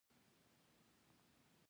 تړون کمپيوټر شرکت په لښکرګاه ښار کي دی.